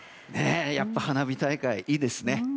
やっぱり花火大会いいですね。